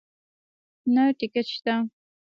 نه ټکټ شته